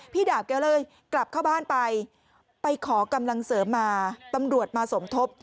ดาบแกเลยกลับเข้าบ้านไปไปขอกำลังเสริมมาตำรวจมาสมทบ